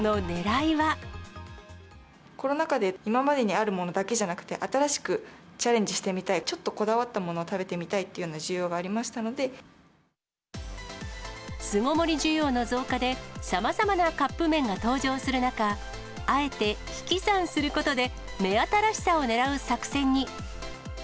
コロナ禍で、今までにあるものだけじゃなくて、新しくチャレンジしてみたい、ちょっとこだわったものを食べてみたいというような需要がありま巣ごもり需要の増加で、さまざまなカップ麺が登場する中、あえて引き算することで、目新しさを狙う作戦に。